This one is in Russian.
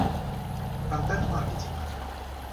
Контент-маркетинг